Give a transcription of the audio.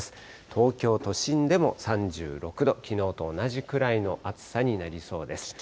東京都心でも３６度、きのうと同じくらいの暑さになりそうです。